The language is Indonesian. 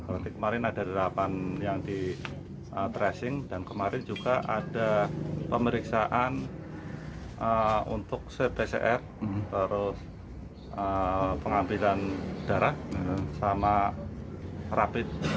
berarti kemarin ada derapan yang di tracing dan kemarin juga ada pemeriksaan untuk cpcr pengambilan darah sama rapid test